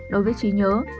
một mươi đối với trí nhớ